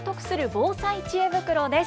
防災知恵袋です。